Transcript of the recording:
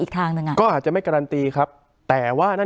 คุณลำซีมัน